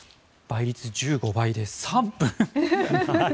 倍率１５倍で３分。